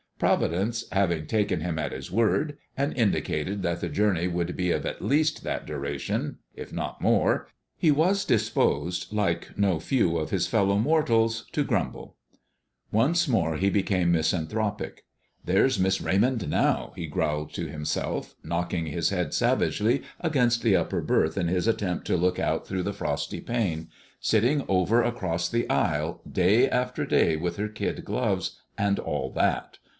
Providence having taken him at his word, and indicated that the journey would be of at least that duration, if not more, he was disposed, like no few of his fellow mortals, to grumble. Once more he became misanthropic. "There's Miss Raymond, now," he growled to himself, knocking his head savagely against the upper berth in his attempt to look out through the frosty pane, "sitting over across the aisle day after day with her kid gloves, and all that.